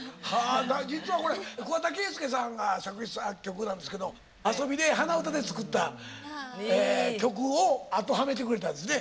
実はこれ桑田佳祐さんが作詞・作曲なんですけど遊びで鼻歌で作った曲を当てはめてくれたやつね。